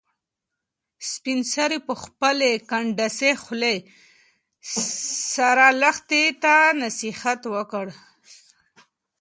سپین سرې په خپلې کنډاسې خولې سره لښتې ته نصیحت وکړ.